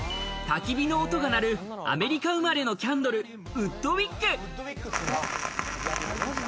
たき火の音が鳴るアメリカ生まれのキャンドル、ウッドウィック。